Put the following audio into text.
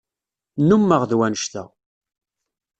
Nnumeɣ d wannect-a.